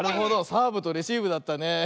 サーブとレシーブだったね。